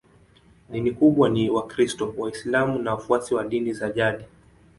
Dini kubwa ni Wakristo, Waislamu na wafuasi wa dini za jadi.